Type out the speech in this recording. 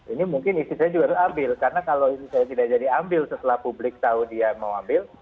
ini mungkin istri saya juga harus ambil karena kalau itu saya tidak jadi ambil setelah publik tahu dia mau ambil